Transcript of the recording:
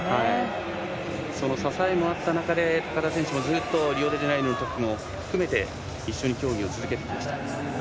その支えもあった中で高田選手はリオデジャネイロのときも含めて一緒に競技を続けてきました。